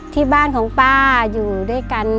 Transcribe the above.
ที่บ้านของป้าอยู่ด้วยกัน